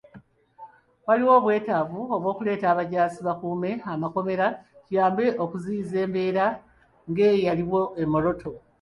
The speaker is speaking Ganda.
Waliwo obwetaavu bw'okuleeta abajaasi bakuume amakomera, kiyambe okuziyiza embeera ng'eyaliwo e Moroto.